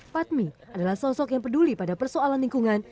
patmi adalah sosok yang peduli pada persoalan lingkungan